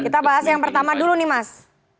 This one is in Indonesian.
kita bahas yang pertama dulu nih mas